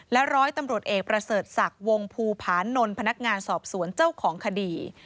ร้อยตำรวจเอกประเสริฐศักดิ์วงภูผานนท์พนักงานสอบสวนเจ้าของคดี